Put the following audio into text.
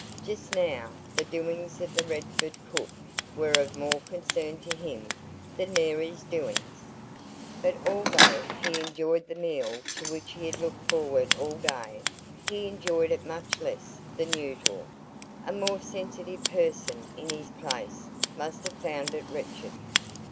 Just now the doings of the Redford cook were of more concern to him than Mary's doings. But although he enjoyed the meal to which he had looked forward all day, he enjoyed it much less than usual. A more sensitive person in his place must have found it wretched.